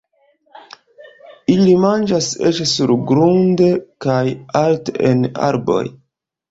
Ili manĝas eĉ surgrunde kaj alte en arboj.